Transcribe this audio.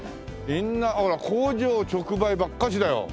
みんなほら工場直売ばっかしだよ。